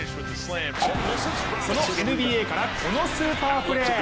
そのＮＢＡから、このスーパープレー。